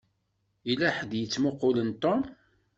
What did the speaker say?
Yella ḥedd i yettmuqqulen Tom.